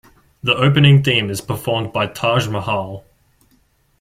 The opening theme is performed by Taj Mahal.